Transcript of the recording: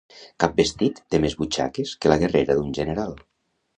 Cap vestit té més butxaques que la guerrera d'un general.